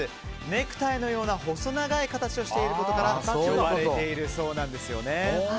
ネクタイのような細長い形をしていることからネクタイといわれているそうなんです。